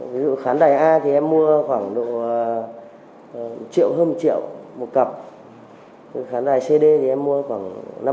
ví dụ khán đài a thì em mua khoảng một triệu hơn một triệu một cặp khán đài cd thì em mua khoảng năm sáu trăm linh